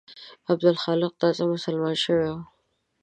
عبدالحق تازه مسلمان شوی وو.